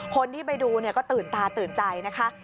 คนที่ไปดูก็ตื่นตาตื่นใจนะคะ